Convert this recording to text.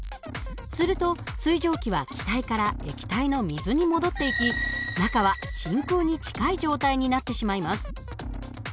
すると水蒸気は気体から液体の水に戻っていき中は真空に近い状態になってしまいます。